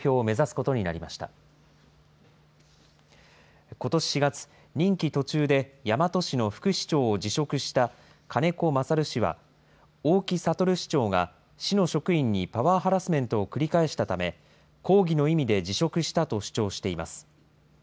ことし４月、任期途中で大和市の副市長を辞職した金子勝氏は、大木哲市長が市の職員にパワーハラスメントを繰り返したため、抗議の意味で辞職したと主張しています。